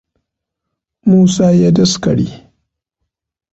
Musa ya daskare.